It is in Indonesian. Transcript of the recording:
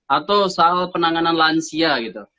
atau soal penanganan lansia gitu